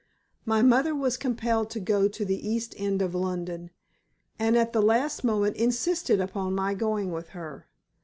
My mother was compelled to go to the East End of London, and at the last moment insisted upon my going with her.